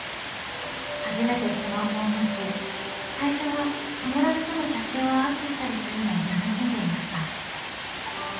初めてスマホを持ち最初は、友達との写真をアップしたりするのを楽しんでいました。